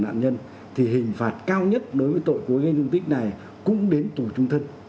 nạn nhân thì hình phạt cao nhất đối với tội cố ý gây thương tích này cũng đến tù trung thân